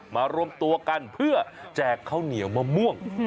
รวมตัวกันเพื่อแจกข้าวเหนียวมะม่วง